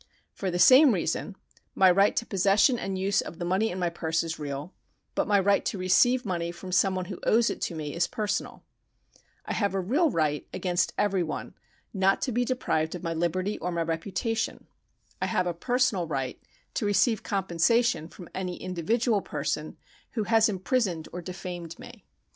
For the same reason my right to the possessicn ar d § 81] THE KINDS OF LEGAL RIGHTS 203 use of the money in my purse is real ; but my right to receive money from some one who owes it to me is personal. I have a real right against every one not to be deprived of my liberty or my reputation ; I have a personal right to receive com pensation from any individual person who has imprisoned or defamed me.